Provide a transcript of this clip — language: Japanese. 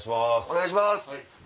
お願いします。